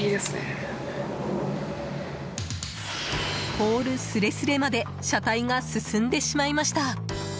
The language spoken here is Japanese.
ポールすれすれまで車体が進んでしまいました。